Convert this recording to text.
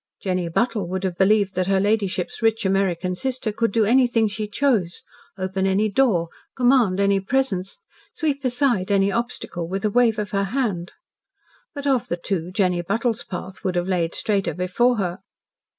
Jenny Buttle would have believed that her ladyship's rich American sister could do anything she chose, open any door, command any presence, sweep aside any obstacle with a wave of her hand. But of the two, Jenny Buttle's path would have laid straighter before her.